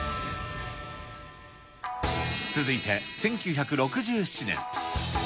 続いて１９６７年。